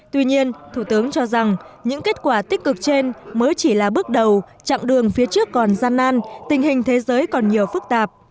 tuy nhiên thủ tướng cho rằng những kết quả tích cực trên mới chỉ là bước đầu chặng đường phía trước còn gian nan tình hình thế giới còn nhiều phức tạp